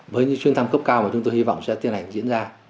với những chuyến thăm cấp cao mà chúng tôi hy vọng sẽ tiến hành diễn ra